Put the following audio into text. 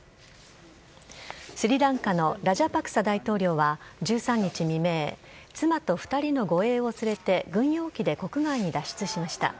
スリランカのラジャパクサ大統領は１３日未明妻と２人の護衛を連れて軍用機で国外に脱出しました。